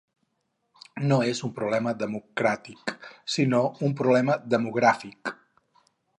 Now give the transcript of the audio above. No és un problema democràtic, sinó un problema demogràfic.